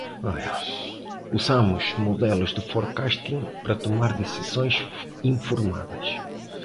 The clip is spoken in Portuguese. Usamos modelos de forecasting para tomar decisões informadas.